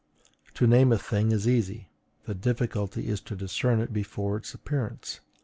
To name a thing is easy: the difficulty is to discern it before its appearance.